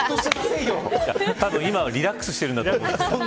たぶん今は、リラックスしているんだと思います。